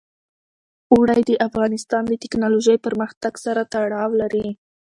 اوړي د افغانستان د تکنالوژۍ پرمختګ سره تړاو لري.